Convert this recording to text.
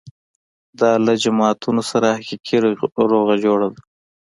دا له جماعتونو سره حقیقي روغې جوړې ده.